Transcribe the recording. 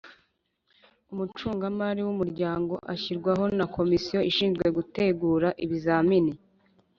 Umucungamari w umuryango ashyirwaho na komisiyo ishinzwe gutegura ibizamini